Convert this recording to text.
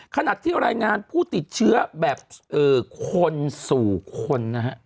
ขณะที่รายงานผู้ติดเชื้อแบบคนสู่คนนะฮะ